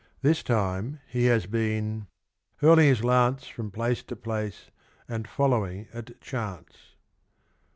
This time he had been — hurling [his] lance From place to place, and following at chance, (I.